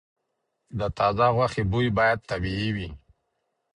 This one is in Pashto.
د تازه غوښې بوی باید طبیعي وي.